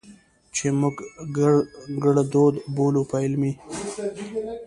چې موږ ګړدود بولو، په علمي